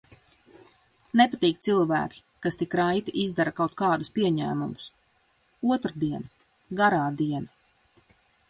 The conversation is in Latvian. Nepatīk cilvēki, kas tik raiti izdara kaut kādus pieņēmumus. Otrdiena. Garā diena.